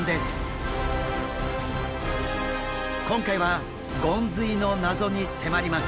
今回はゴンズイの謎に迫ります。